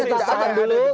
saya tahu persis